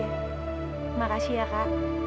terima kasih ya kak